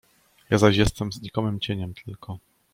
Ja zaś jestem znikomym cieniem tylko.